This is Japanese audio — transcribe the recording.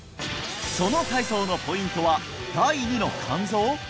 その体操のポイントは第二の肝臓？